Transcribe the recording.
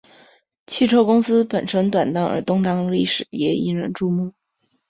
汽车公司本身短暂而动荡的历史也引人注目。